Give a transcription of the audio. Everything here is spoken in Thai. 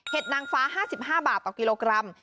นางฟ้า๕๕บาทต่อกิโลกรัม